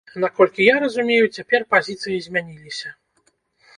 Наколькі я разумею, цяпер пазіцыі змяніліся?